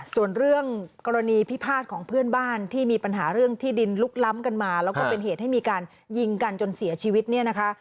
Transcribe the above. ส่วนเรื่องกรณีพิพาทของเพื่อนบ้านที่มีปัญหาเรื่องที่ดินลุกล้ำกันมาแล้วก็เป็นเหตุให้มีการยิงกันจนเสียชีวิตเนี่ยนะคะ